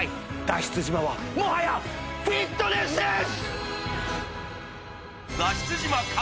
脱出島はもはやフィットネスです！